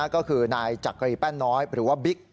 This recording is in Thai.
ก็คือนายจักรีแป้นน้อยหรือว่าบิ๊ก